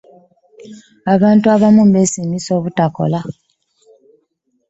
abantu abamu beesimisa obutakola.